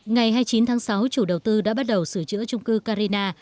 ngày hai mươi chín tháng sáu chủ đầu tư đã bắt đầu sửa chữa trung cư carina